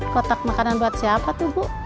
kotak makanan buat siapa tuh bu